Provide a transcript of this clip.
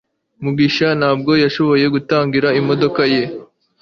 mugisha ntabwo yashoboye gutangira imodoka ye